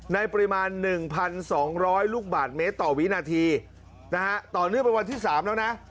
ในปริมาณ๑๒๐๐ลูกบาทเมตรต่อวินาทีนะฮะต่อเนื่องเป็นวันที่๓แล้วนะ